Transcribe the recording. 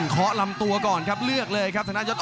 ขอลำตัวก่อนครับเลือกเลยครับทางด้านยอด